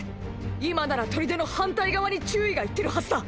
今なら砦の反対側に注意が行ってるはずだ。